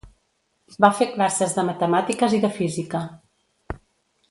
Va fer classes de matemàtiques i de física.